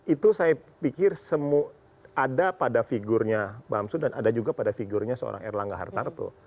itu saya pikir ada pada figurnya bamsun dan ada juga pada figurnya seorang erlangga hartarto